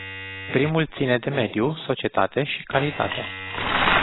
Primul ține de mediu, societate și calitate.